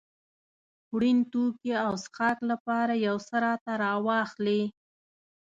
خوړن توکي او څښاک لپاره يو څه راته راواخلې.